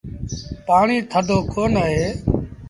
پآڻي ٿڌو ڪونا اهي۔